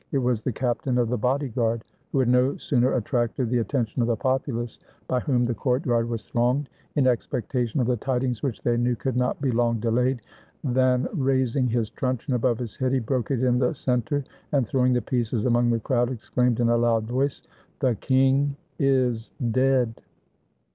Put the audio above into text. It was the captain of the body guard, who had no sooner attracted the attention of the populace, by whom the courtyard was thronged, in expectation of the tidings which they knew could not be long delayed, than rais ing his truncheon above his head, he broke it in the cen ter, and throwing the pieces among the crowd exclaimed in a loud voice, "The king is dead!"